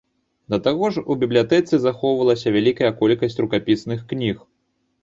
Да таго ж у бібліятэцы захоўвалася вялікая колькасць рукапісных кніг.